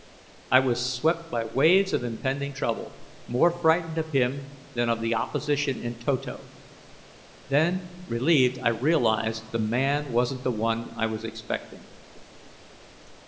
I was swept by waves of impending trouble, more frightened of him than of the opposition in toto. Then, relieved, I realized the man wasn't the one I was expecting.